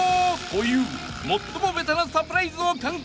［という最もべたなサプライズを敢行］